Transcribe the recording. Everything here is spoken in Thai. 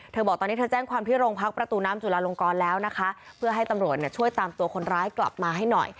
บอกตอนนี้เธอแจ้งความที่โรงพักประตูน้ำจุลาลงกรแล้วนะคะเพื่อให้ตำรวจช่วยตามตัวคนร้ายกลับมาให้หน่อย